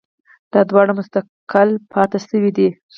دا دواړه مستقل پاتې شوي دي